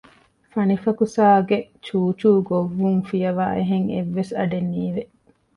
ފަނިފަކުސާގެ ޗޫޗޫ ގޮއްވުން ފިޔަވައި އެހެން އެއްވެސް އަޑެއް ނީވެ